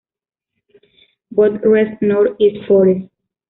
Bot, Res. North-East Forest.